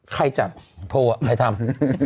ใครจัดโพลอ่ะใครทำ